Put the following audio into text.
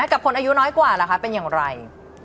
กับคนอายุน้อยกว่าล่ะคะเป็นอย่างไร